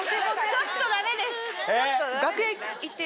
ちょっとダメですね。